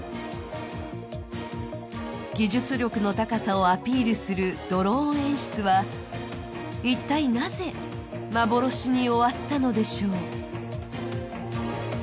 技術力の高さをアピールするドローン演出は、一体なぜ幻に終わったのでしょう。